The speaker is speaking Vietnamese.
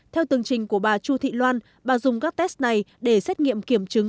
theo tường trình của bà chu thị loan bà dùng các test này để xét nghiệm kiểm chứng